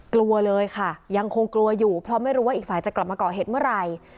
กลัวเลยค่ะยังคงกลัวอยู่เพราะไม่รู้ว่าอีกฝ่ายจะกลับมาก่อเหตุเมื่อไหร่